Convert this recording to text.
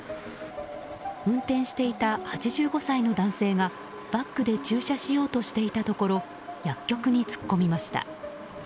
運転していた８５歳の男性がバックで駐車しようとしていたところ薬局に突っ込みました。